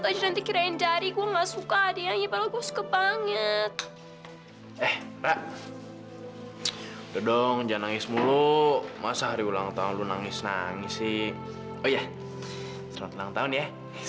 mana terakhirannya lore kita lagi lapar nih